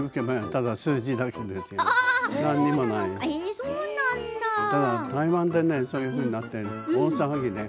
ただ台湾でねそういうふうになって大騒ぎでね